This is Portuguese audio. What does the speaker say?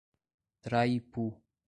Traipu